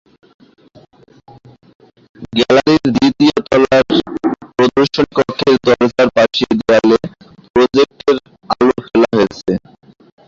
গ্যালারির দ্বিতীয় তলার প্রদর্শনী কক্ষের দরজার পাশের দেয়ালে প্রজেক্টরের আলো ফেলা হয়েছে।